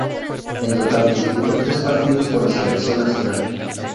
En total, disputó tres partidos con la selección nacional.